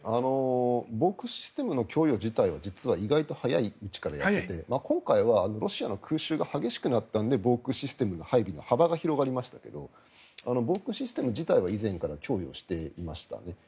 防空システムの供与自体は実は意外と早いうちからやってて今回はロシアの空襲が激しくなったので防空システムの配備の幅が広がりましたけど防空システム自体は以前から供与していましたね。